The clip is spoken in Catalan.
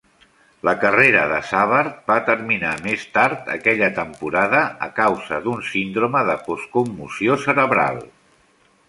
La carrera de Savard va terminar més tard aquella temporada a causa d'un síndrome de postconmoció cerebral.